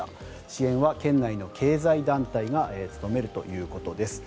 支援は県内の経済団体が務めるということです。